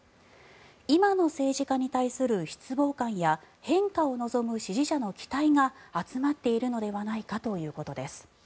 今の政治家に対する失望感や変化を望む支持者の期待が集まっているのではないかということです。